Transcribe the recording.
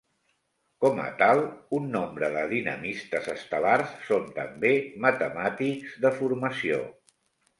Com a tal, un nombre de dinamistes estel·lars són també matemàtics de formació.